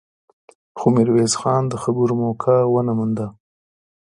خو ميرويس خان د خبرو موقع ونه مونده.